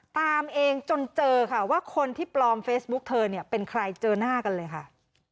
ตามเองจนเจอค่ะว่าคนที่ปลอมเฟซบุ๊กเธอเนี่ยเป็นใครเจอหน้ากันเลยค่ะ